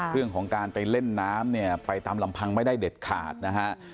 เรื่องของการไปเล่นน้ำเนี่ยไปตามลำพังไม่ได้เด็ดขาดนะฮะ